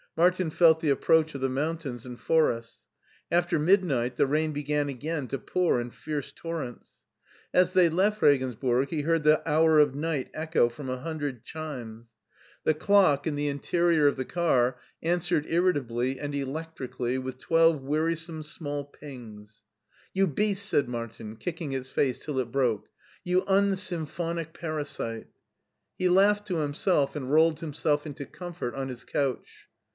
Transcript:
Martin felt the approadi of the mountains and forests. After midnight the rain began again to pour in fierce torrents. As they left Regensburg he heard the hour of night echo from a hundred chimes. The dock in the interior of the SCHWARZWALD 145 car answered irritably and electrically witfi twdve wearisome small pings. "You beast!" said Martin, kicking its face till it broke " you unsymphonic parasite !*' He laughed to himself and rolled himself into comfort on his couch.